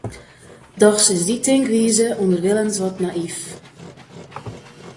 Dochs is dy tinkwize ûnderwilens wat nayf.